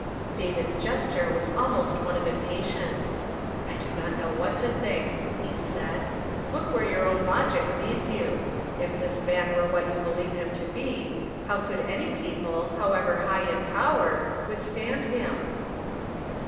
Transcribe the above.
David's gesture was almost one of impatience. " I don't know what to think," he said. " Look where your own logic leads you. If this man were what you believe him to l)e, how could any people, however high in power, withstand him